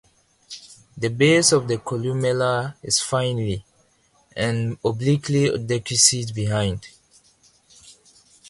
The base of the columella is finely and obliquely decussate behind.